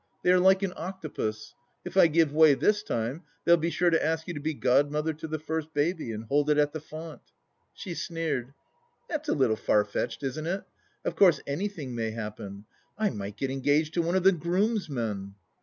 They are like an octopus. If I give way this time, they'll be sure to ask you to be godmother to the first baby, and hold it at the font." She sneered. " That's a little far fetched, isn't it ? Of course anything may happen ? I might get engaged to one of the grooms men."